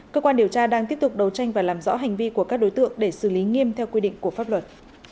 cơ quan điều tra đang tiếp tục đấu tranh và làm rõ hành vi của các đối tượng để xử lý nghiêm theo quy định của pháp luật